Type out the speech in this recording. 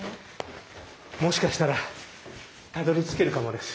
もしかしたらたどりつけるかもです。